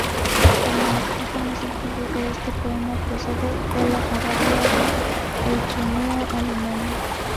El manuscrito más antiguo de este poema procede de la Abadía de Reichenau, Alemania.